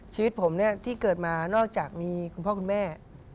ชีวิตผมเนี่ยที่เกิดมานอกจากมีคุณพ่อคุณแม่